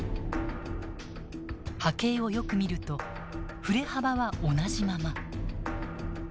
波形をよく見ると振れ幅は同じまま。